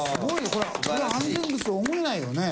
これ安全靴とは思えないよね。